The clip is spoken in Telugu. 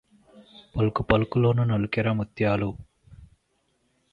పలుకుపలుకులోన నొలికెరా ముత్యాలు